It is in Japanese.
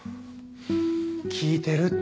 聞いてるって。